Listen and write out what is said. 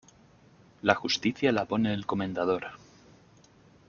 La justicia la pone el comendador.